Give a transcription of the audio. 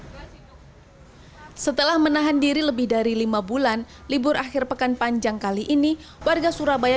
hai setelah menahan diri lebih dari lima bulan libur akhir pekan panjang kali ini warga surabaya